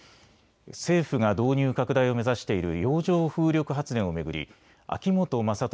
政府が導入拡大を目指している洋上風力発電を巡り秋本真利